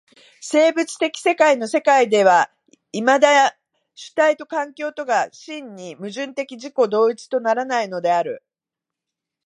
生物的生命の世界ではいまだ主体と環境とが真に矛盾的自己同一とならないのである。